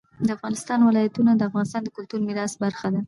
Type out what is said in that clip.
د افغانستان ولايتونه د افغانستان د کلتوري میراث برخه ده.